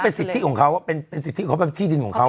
สิทธิของเขาเป็นสิทธิของเขาเป็นที่ดินของเขา